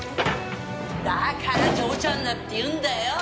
だから嬢ちゃんだっていうんだよ！